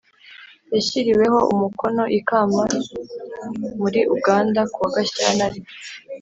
yashyiriweho umukono i Kampala muri Uganda ku wa Gashyantare